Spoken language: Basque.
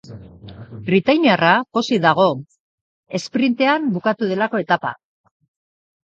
Britainiarra pozik dago, esprintean bukatu delako etapa.